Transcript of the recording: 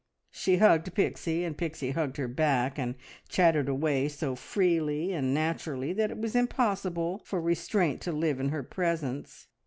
She hugged Pixie, and Pixie hugged her back, and chattered away so freely and naturally that it was impossible for restraint to live in her presence.